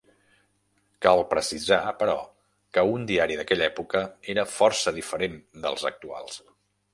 Cal precisar, però, que un diari d'aquella època era força diferent dels actuals.